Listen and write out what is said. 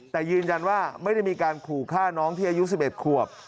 แต่ยืนยันว่าไม่ได้มีการขู่ฆ่าน้องที่อายุ๑๑ขวบ